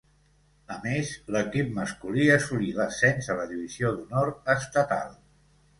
A més, l'equip masculí assolí l'ascens a la divisió d'honor estatal.